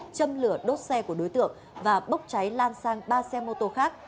châm lửa đốt xe của đối tượng và bốc cháy lan sang ba xe mô tô khác